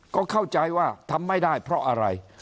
ก็เข้าใจว่าทำไม่ได้เพราะอะไร